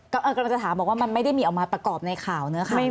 กำลังจะถามบอกว่ามันไม่ได้มีออกมาประกอบในข่าวเนื้อข่าว